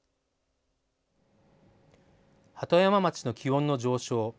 鳩山町の気温の上昇。